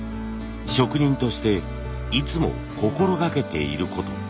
職人としていつも心がけていること。